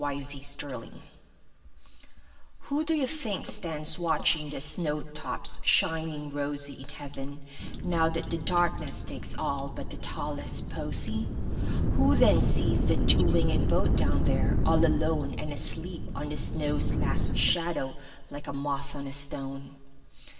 Everlasting Flowers WHO do you think stands watchingThe snow tops shining rosyIn heaven, now that the darknessTakes all but the tallest posy? Who then sees the two wingedBoat down there, all aloneAnd asleep on the snow's last shadow, Like a moth on a stone?